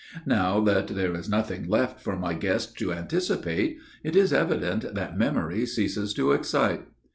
Now that there is nothing left for my guest to anticipate, it is evident that memory ceases to excite."